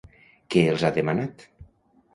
Què els ha demanat?